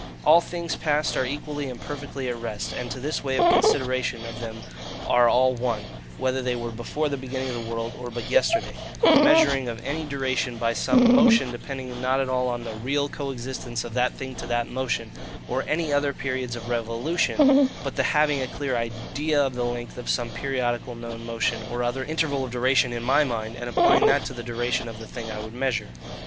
All things past are equally and perfectly at rest; and to this way of consideration of them are all one, whether they were before the beginning of the world, or but yesterday: the measuring of any duration by some motion depending not at all on the REAL co existence of that thing to that motion, or any other periods of revolution, but the having a clear IDEA of the length of some periodical known motion, or other interval of duration, in my mind, and applying that to the duration of the thing I would measure.